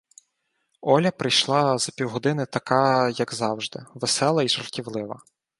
Оля прийшла за півгодини така як завжди: весела й жартівлива.